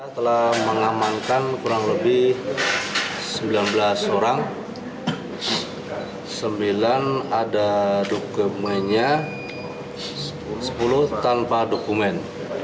telah mengamankan kurang lebih sembilan belas orang sembilan ada dokumennya sepuluh tanpa dokumen